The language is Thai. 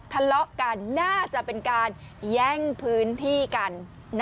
ทะเลาะกันน่าจะเป็นการแย่งพื้นที่กัน